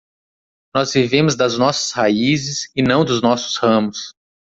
Nós vivemos das nossas raízes e não dos nossos ramos.